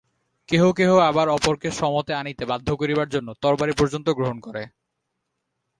কেহ কেহ আবার অপরকে স্বমতে আনিতে বাধ্য করিবার জন্য তরবারি পর্যন্ত গ্রহণ করে।